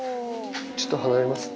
ちょっと離れますね。